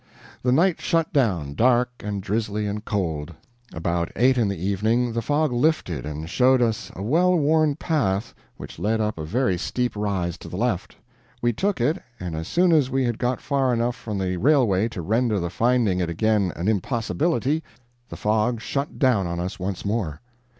The night shut down, dark and drizzly and cold. About eight in the evening the fog lifted and showed us a well worn path which led up a very steep rise to the left. We took it, and as soon as we had got far enough from the railway to render the finding it again an impossibility, the fog shut down on us once more.